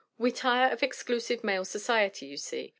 We tire of exclusive male society, you see.